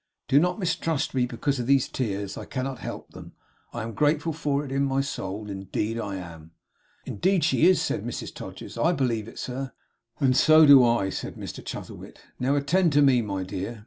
Do not mistrust me because of these tears; I cannot help them. I am grateful for it, in my soul. Indeed I am!' 'Indeed she is!' said Mrs Todgers. 'I believe it, sir.' 'And so do I!' said Mr Chuzzlewit. 'Now, attend to me, my dear.